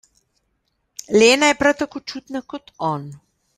Lena je prav tako čutna kot on.